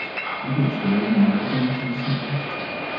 台北捷運蘆洲支線